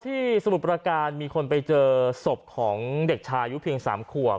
สมุทรประการมีคนไปเจอศพของเด็กชายุเพียง๓ขวบ